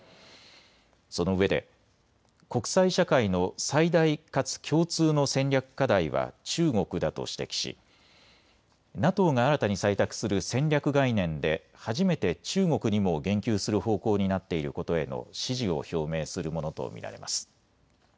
そのうえで国際社会の最大かつ共通の戦略課題は中国だと指摘しＮＡＴＯが新たに採択する戦略概念で初めて中国にも言及する方向になっていることへの支持を表明するものと見られます。